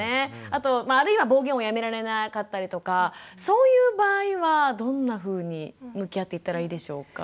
あとあるいは暴言をやめられなかったりとかそういう場合はどんなふうに向き合っていったらいいでしょうか？